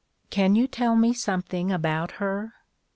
Can you tell me something about her?"